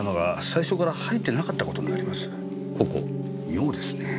妙ですね。